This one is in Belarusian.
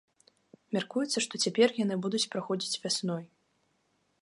Мяркуецца, што цяпер яны будуць праходзіць вясной.